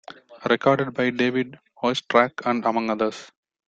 Recorded by David Oistrakh, among others.